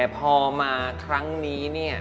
พอมาครั้งนี้เนี่ย